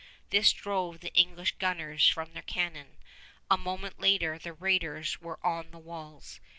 This drove the English gunners from their cannon. A moment later, and the raiders were on the walls.